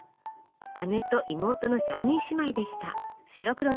姉と妹の３人姉妹でした。